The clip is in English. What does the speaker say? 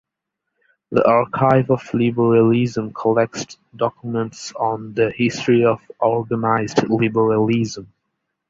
The Archive of Liberalism collects documents on the history of organized liberalism.